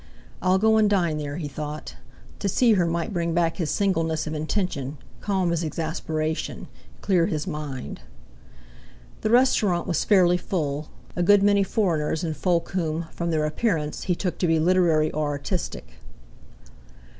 "I'll go and dine there," he thought. To see her might bring back his singleness of intention, calm his exasperation, clear his mind. The restaurant was fairly full—a good many foreigners and folk whom, from their appearance, he took to be literary or artistic.